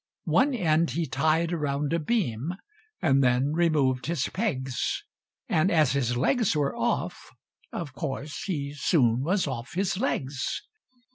One end he tied around a beam, And then removed his pegs, And, as his legs were off, of course, He soon was off his legs!